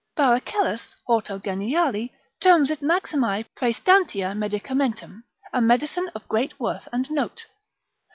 Baracellus, horto geniali, terms it maximae praestantia medicamentum, a medicine of great worth and note.